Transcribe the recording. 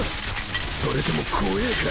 それとも怖えか？